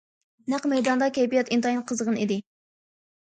نەق مەيداندا كەيپىيات ئىنتايىن قىزغىن ئىدى.